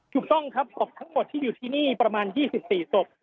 ถูกต้องครับศพทั้งหมดที่อยู่ที่นี่ประมาณ๒๔ศพ